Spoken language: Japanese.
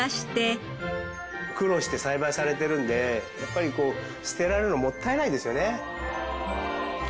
苦労して栽培されてるんでやっぱりこう捨てられるのもったいないですよね。